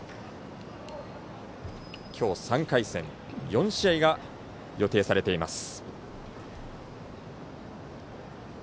今日３回戦４試合が予定されています。